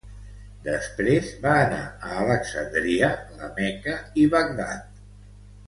Després va anar a Alexandria, la Meca i Bagdad.